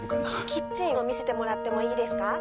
キッチンを見せてもらってもいいですか？